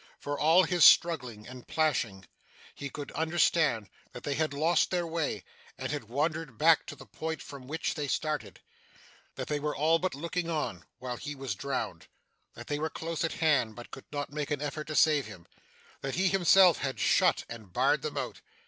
For all his struggling and plashing, he could understand that they had lost their way, and had wandered back to the point from which they started; that they were all but looking on, while he was drowned; that they were close at hand, but could not make an effort to save him; that he himself had shut and barred them out.